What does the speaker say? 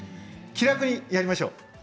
気楽にやりましょう。